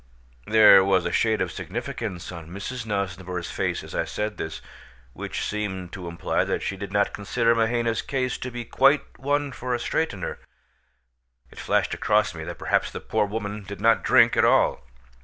There was a shade of significance on Mrs. Nosnibor's face as I said this, which seemed to imply that she did not consider Mahaina's case to be quite one for a straightener. It flashed across me that perhaps the poor woman did not drink at all.